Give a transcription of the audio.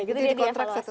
jadi dia di evaluasi